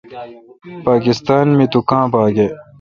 پاکستان می تو کاں باگ اؘ۔